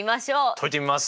解いてみます！